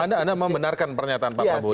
anda membenarkan pernyataan pak prabowo